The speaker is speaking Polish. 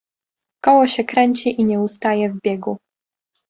"Koło się kręci i nie ustaje w biegu!..."